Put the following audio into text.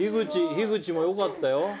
樋口もよかったよ。